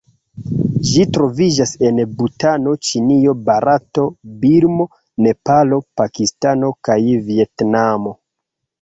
Ĝi troviĝas en Butano, Ĉinio, Barato, Birmo, Nepalo, Pakistano kaj Vjetnamo.